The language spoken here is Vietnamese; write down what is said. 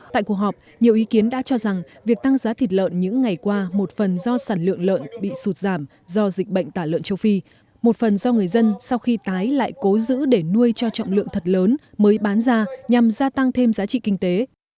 tại cuộc họp nhiều ý kiến đã cho rằng việc tăng giá thịt lợn những ngày qua một phần do sản lượng lợn bị sụt giảm do dịch bệnh tả lợn châu phi một phần do người dân sau khi tái lại cố giữ để nuôi cho trọng lượng thật lớn mới bán ra nhằm gia tăng thêm giá trị kinh tế